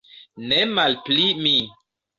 Ne malpli mi.